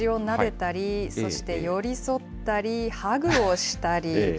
牛をなでたり、そして寄り添ったり、ハグをしたり。